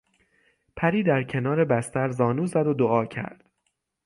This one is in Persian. پری در کنار بستر زانو زد و دعا کرد.